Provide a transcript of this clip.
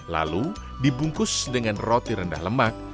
lalu dibungkus dengan roti rendah lemak